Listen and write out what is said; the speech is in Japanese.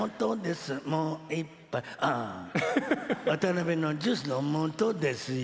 「渡辺のジュースのもとです